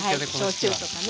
焼酎とかね